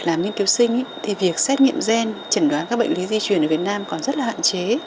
làm nghiên cứu sinh thì việc xét nghiệm gen chẩn đoán các bệnh lý di truyền ở việt nam còn rất là hạn chế